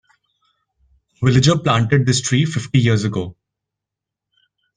A villager planted this tree fifty years ago.